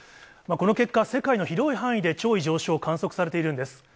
この結果、世界の広い範囲で潮位上昇、観測されているんです。